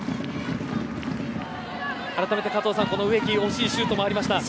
改めて加藤さん、植木惜しいシュートもありました。